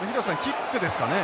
キックですかね？